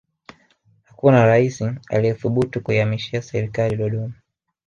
hakuna raisi aliyethubutu kuihamishia serikali dodoma